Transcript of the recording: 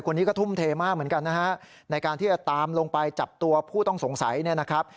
คนนี้ก็ทุ่มเทมากเหมือนกันนะฮะในการที่จะตามลงไปจับตัวผู้ต้องสงสัยเนี่ยนะครับ